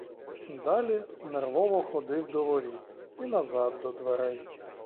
Далі нервово ходив до воріт і назад до дверей.